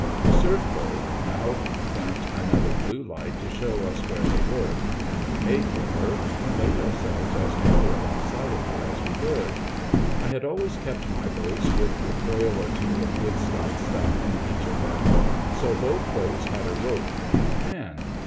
The Surf boat now burnt another blue light to show us where they were, and we made for her, and laid ourselves as nearly alongside of her as we dared. I had always kept my boats w ith a coil or two of good stout stuff in each of them, so both boats had a rope at hand.